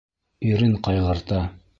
Ирен ҡайғырта.